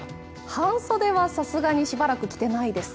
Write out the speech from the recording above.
半袖はさすがにしばらく着てないです。